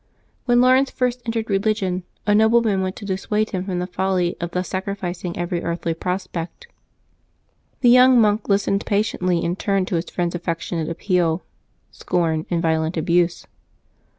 When Laurence first entered religion, a nobleman went to dissuade him from the folly of thus sacrificing every earthly prospect. The young monk lis tened patiently in turn to his friend's affectionate appeal, scorn, and violent abuse.